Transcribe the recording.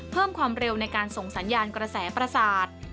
เพิ่มความเร็วในการส่งสัญญาณกระแสประสาท